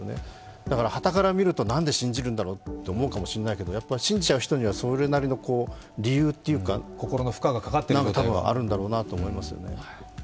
だから、はたから見ると何で信じるんだろうと思うけど、やっぱり信じちゃう人にはそれなりの理由というか心の負荷がかかっているんだろうと思いますね。